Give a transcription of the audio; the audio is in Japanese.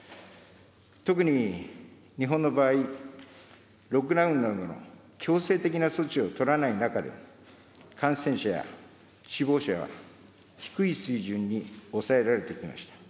特に日本の場合、ロックダウンなどの強制的な措置を取らない中で、感染者や死亡者は低い水準に抑えられてきました。